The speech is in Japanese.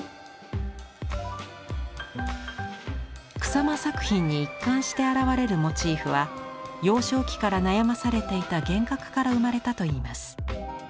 草間作品に一貫してあらわれるモチーフは幼少期から悩まされていた幻覚から生まれたといいます。